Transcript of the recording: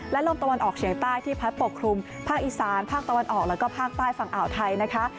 และลมตะวันออกเฉียงใต้ที่พัดปกคลุมภาคอีสานภาคตะวันออกแล้วก็ภาคใต้ฝั่งอ่าวไทยนะคะ